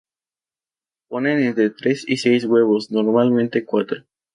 Ponen entre tres y seis huevos, normalmente cuatro.